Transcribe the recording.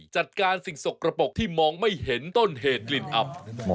จัดการสิ่งสกระปกที่มองไม่เห็นต้นเหตุกลิ่นอับ